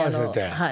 はい。